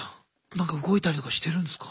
何か動いたりとかしてるんですか？